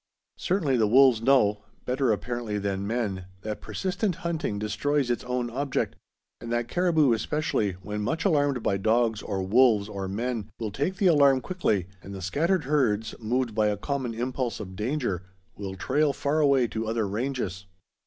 Certainly the wolves know, better apparently than men, that persistent hunting destroys its own object, and that caribou especially, when much alarmed by dogs or wolves or men, will take the alarm quickly, and the scattered herds, moved by a common impulse of danger, will trail far away to other ranges.